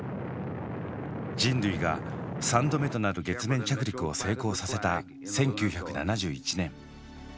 人類が３度目となる月面着陸を成功させた１９７１年。